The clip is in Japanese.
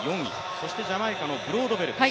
そしてジャマイカのブロードベルです。